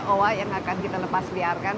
owa yang akan kita lepasliarkan